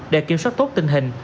để kiểm soát tốt tình hình